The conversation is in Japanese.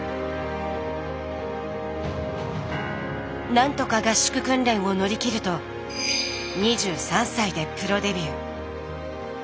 何とか合宿訓練を乗り切ると２３歳でプロデビュー。